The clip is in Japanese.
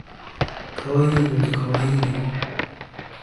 可愛い犬と可愛い猫